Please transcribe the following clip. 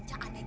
pak pak pak